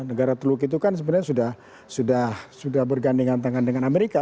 negara teluk itu kan sebenarnya sudah bergandengan tangan dengan amerika